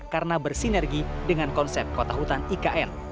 karena bersinergi dengan konsep kota hutan ikn